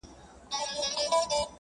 • د یوه بل په ښېګڼه چي رضا سي,